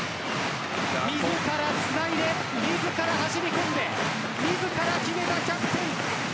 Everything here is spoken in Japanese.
自らつないで、自ら走り込んで自ら決めたキャプテン。